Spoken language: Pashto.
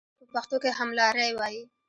همګرا ته په پښتو کې هملاری وایي.